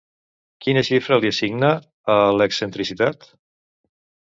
Quina xifra li assigna a l'excentricitat?